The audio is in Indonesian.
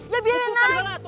ya biarin aja